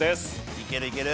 いけるいける。